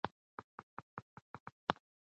که د ملالۍ قوم معلوم نه سي، نو اختلافات به دوام وکړي.